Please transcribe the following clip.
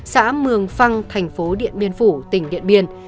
xã mường phăng thành phố điện biên phủ tỉnh điện biên